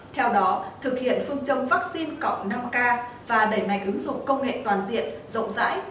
theo đó thực hiện phương châm vaccine cộng năm k và đẩy mạnh ứng dụng công nghệ toàn diện rộng rãi